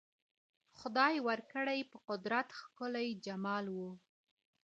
خدای ورکړی په قدرت ښکلی جمال وو